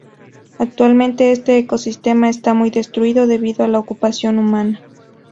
Actualmente, este ecosistema está muy destruido debido a la ocupación humana.